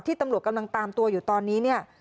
ที่ตำรวจกำลังตามตัวอยู่ตอนนี้